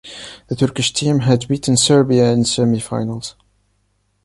The Turkish team had beaten Serbia in semi-finals.